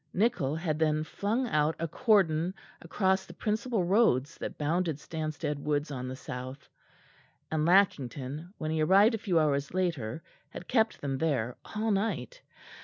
Nichol had then flung out a cordon along the principal roads that bounded Stanstead Woods on the south; and Lackington, when he arrived a few hours later, had kept them there all night.